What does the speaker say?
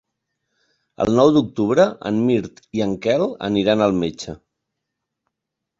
El nou d'octubre en Mirt i en Quel aniran al metge.